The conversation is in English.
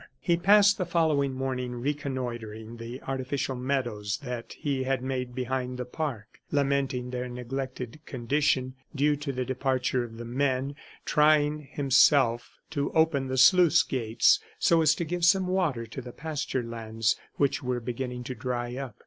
He passed the following morning reconnoitering the artificial meadows that he had made behind the park, lamenting their neglected condition due to the departure of the men, trying himself to open the sluice gates so as to give some water to the pasture lands which were beginning to dry up.